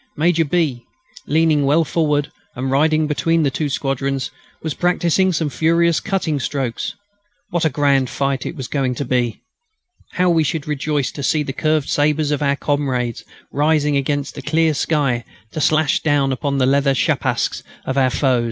Major B., leaning well forward, and riding between the two squadrons, was practising some furious cutting strokes. What a grand fight it was going to be! How we should rejoice to see the curved sabres of our comrades rising against the clear sky to slash down upon the leather schapskas of our foe!